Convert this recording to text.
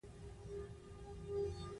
استاده وراثت څه ته وایي